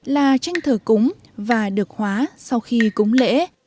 là tranh thờ cúng và được hóa sau khi cúng lễ